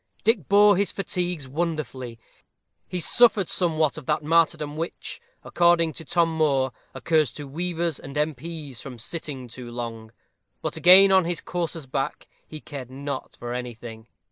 Dick bore his fatigues wonderfully. He suffered somewhat of that martyrdom which, according to Tom Moore, occurs "to weavers and M. P.'s, from sitting too long;" but again on his courser's back, he cared not for anything.